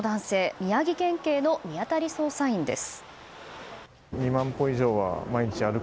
宮城県警の見当たり捜査員です。